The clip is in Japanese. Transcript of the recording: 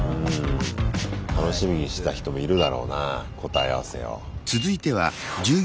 楽しみにしてた人もいるだろうな答え合わせを。